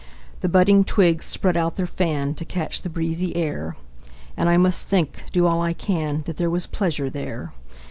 The budding twigs spread out their fan, To catch the breezy air; And I must think, do all I can, That there was pleasure there.